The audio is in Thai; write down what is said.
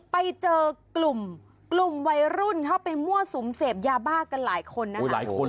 ไปเจอกลุ่มวัยรุ่นเข้าไปมั่วสมเสพยาบ้าจะหลายคนนะ